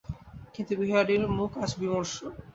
কিন্তু বিহারীর মুখ আজ বিমর্ষ।